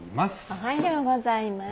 おはようございます。